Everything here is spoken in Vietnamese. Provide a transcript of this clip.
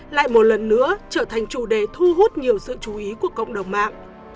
lại một lần nữa trở thành chủ đề thu hút nhiều sự chú ý của cộng đồng mạng